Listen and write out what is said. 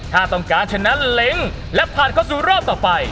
ถ้าต้องการชนะเล้งและผ่านเข้าสู่รอบต่อไป